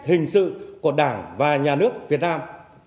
hình sự của đảng và nhà nước việt nam